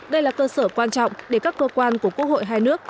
đây là cơ sở quan trọng để các cơ quan của quốc hội hai nước